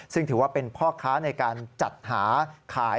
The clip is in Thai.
ซึ่งถือว่าเป็นพ่อค้าในการจัดหาขาย